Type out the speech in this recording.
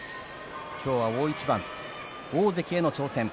今日は大一番、大関への挑戦。